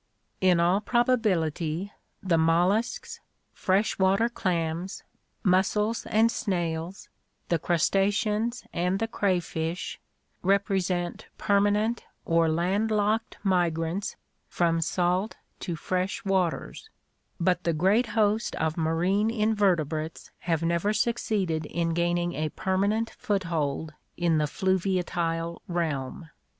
— In all probability the molluscs, fresh water clams, mussels and snails, the crustaceans and the crayfish represent permanent or land locked migrants from salt to fresh waters; but the great host of marine invertebrates have never succeeded in gaining a permanent foot hold in the fluviatile realm.